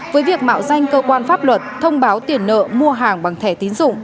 với việc mạo danh cơ quan pháp luật thông báo tiền nợ mua hàng bằng thẻ tín dụng